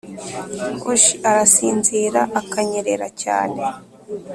hush! arasinzira, akanyerera cyane,